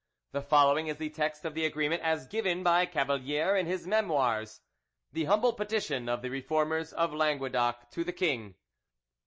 The following is the text of the agreement as given by Cavalier in his Memoirs: "THE HUMBLE PETITION OF THE REFORMERS OF LANGUEDOC TO THE KING "1.